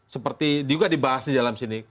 seperti juga dibahas di dalam sini